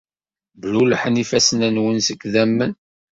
Blulḥen ifassen-nwen seg idammen.